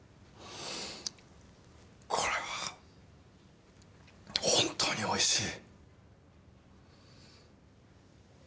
これは本当に美味しい。